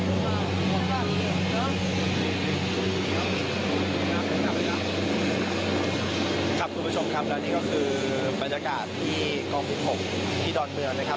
คุณผู้ชมครับและนี่ก็คือบรรยากาศที่กองที่๖ที่ดอนเมืองนะครับ